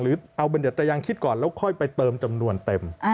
หรือเอาบัญญัติแต่ยังคิดก่อนแล้วค่อยไปเติมจำนวนเต็ม